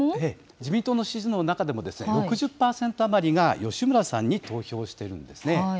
自民党の支持の中でも６０％余りが吉村さんに投票しているんですね。